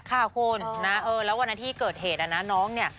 ค่ะคุณแล้วกับที่เกิดเหตุน้องนี่